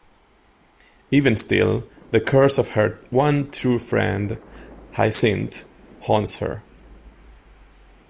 Even still, the curse of her one true friend, Hyacinthe, haunts her.